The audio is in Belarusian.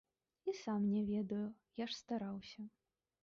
І сам не ведаю, я ж стараўся.